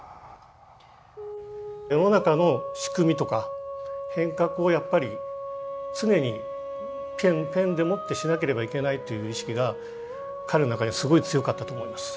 世の中の仕組みとか変革をやっぱり常にペンでもってしなければいけないという意識が彼の中にはすごい強かったと思います。